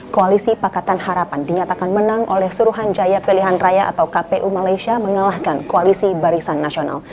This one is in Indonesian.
koalisi pakatan harapan dinyatakan menang oleh suruhanjaya pilihan raya atau kpu malaysia mengalahkan koalisi barisan nasional